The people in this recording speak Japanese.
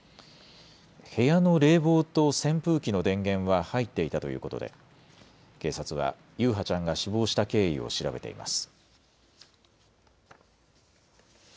部屋の冷房と扇風機の電源は入っていたということで警察は優陽ちゃんが死亡した経緯を調べています。